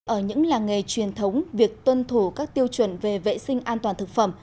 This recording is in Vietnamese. ở những làng nghề truyền thống việc tuân thủ các tiêu chuẩn về vệ sinh an toàn thực phẩm